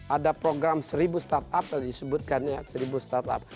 ada program seribu start up yang disebutkan ya seribu start up